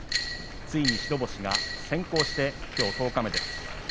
ついに白星が先行してきょう十日目です。